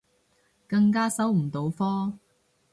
更加收唔到科